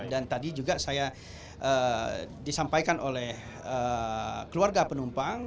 dan tadi juga saya disampaikan oleh keluarga penumpang